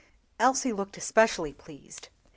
Elsie looked especially pleased.